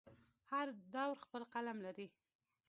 هر دور خپل قلم لري.